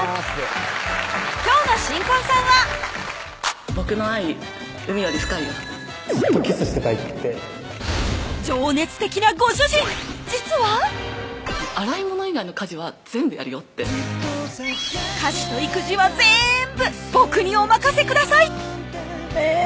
今日の新婚さんは情熱的なご主人実は「洗い物以外の家事は全部やるよ」って「家事と育児はぜーんぶ僕にお任せください」